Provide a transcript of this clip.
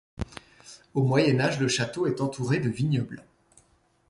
Au Moyen Âge, le château est entouré de vignobles.